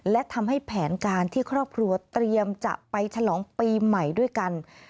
และทำให้แผนการที่ครอบครัวเตรียมจะไปฉลองปีใหม่ด้วยกัน